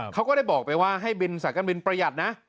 เขาก็ได้บอกไปว่าให้บินสายการบินประหยัดนะ